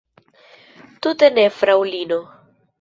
Tute ne, fraŭlino.